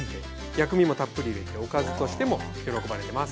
薬味もたっぷり入れておかずとしても喜ばれてます。